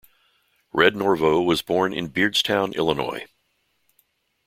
Red Norvo was born in Beardstown, Illinois.